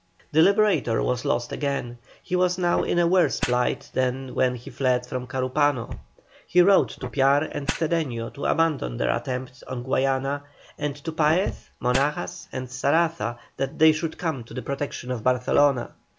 The Liberator was lost again. He was now in a worse plight than when he fled from Carúpano. He wrote to Piar and Cedeño to abandon their attempt on Guayana, and to Paez, Monagas, and Saraza that they should come to the protection of Barcelona.